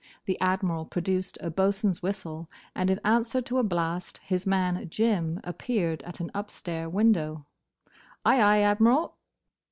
The Admiral produced a boatswain's whistle, and in answer to a blast, his man, Jim, appeared at an upstair window. "Ay, ay, Admiral!"